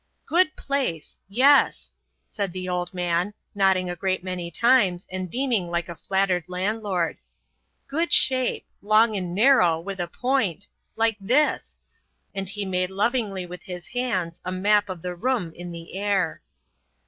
"Good place. Yes," said the old man, nodding a great many times and beaming like a flattered landlord. "Good shape. Long and narrow, with a point. Like this," and he made lovingly with his hands a map of the room in the air.